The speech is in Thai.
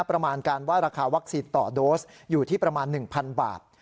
ประมาณการว่าราคาวัคซีนต่อโดสอยู่ที่ประมาณ๑๐๐บาท